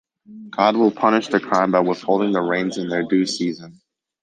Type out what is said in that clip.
God will punish the crime by withholding the rains in their due season.